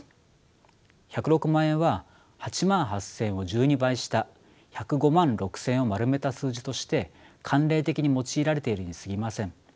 １０６万円は８万８，０００円を１２倍した１０５万６，０００円を丸めた数字として慣例的に用いられているにすぎません。